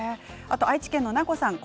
愛知県の方です。